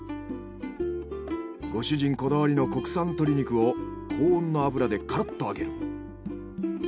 ご主人こだわりの国産鶏肉を高温の油でカラッと揚げる。